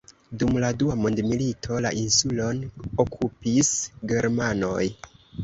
Dum la dua mondmilito, la insulon okupis germanoj.